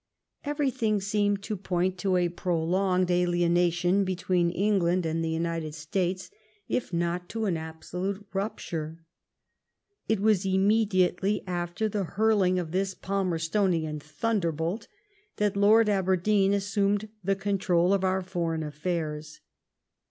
Everything seemed to point to a prolonged alienation between England and the United States, if not to an absolute rupture. It was immediately after the hurling of this Palmer stonian thunderbolt that Lord Aberdeen assumed the con trol of our foreign relations.